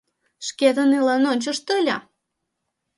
Шкетын илен ончышт ыле.